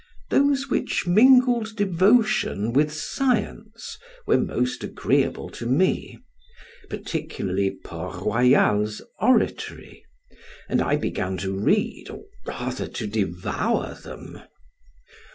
Those which mingled devotion with science were most agreeable to me, particularly Port Royal's Oratory, and I began to read or rather to devour them.